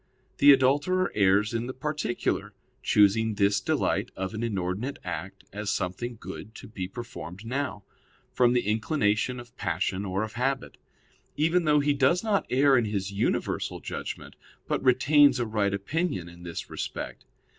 The adulterer errs in the particular, choosing this delight of an inordinate act as something good to be performed now, from the inclination of passion or of habit; even though he does not err in his universal judgment, but retains a right opinion in this respect.